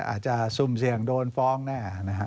อาจจะซุ่มเสี่ยงโดนฟ้องแน่นะฮะ